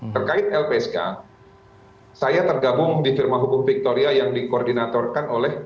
terkait lpsk saya tergabung di firma hukum victoria yang dikoordinatorkan oleh